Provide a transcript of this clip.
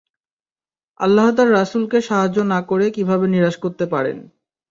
আল্লাহ্ তার রাসূলকে সাহায্য না করে কিভাবে নিরাশ করতে পারেন।